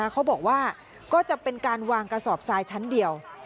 เขาบอกว่าก็จะเป็นการวางกระสอบทรายชั้นเดียว